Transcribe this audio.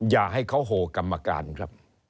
อย่าให้เขาโหกรรมการครับ